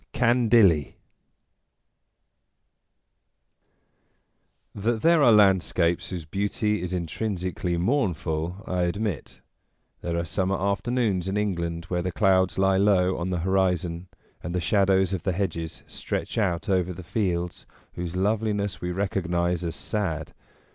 CANDILLI THAT there are landscapes whose beauty is intrinsically mournful, I admit; there are sum mer afternoons in England when the clouds lie low on the horizon, and the shadows of the hedges stretch out over the fields whose loveliness we recog nize as sad.